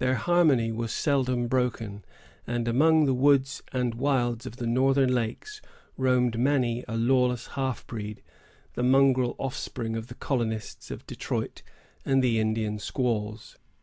Their harmony was seldom broken; and among the woods and wilds of the northern lakes roamed many a lawless half breed, the mongrel offspring of the colonists of Detroit and the Indian squaws.